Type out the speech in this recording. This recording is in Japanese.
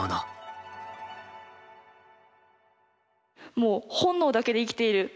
もう本能だけで生きている。